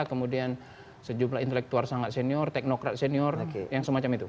kemudian sejumlah intelektual sangat senior teknokrat senior yang semacam itu